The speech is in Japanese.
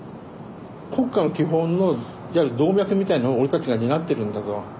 国家の基本のいわゆる動脈みたいなのを俺たちが担ってるんだぞ。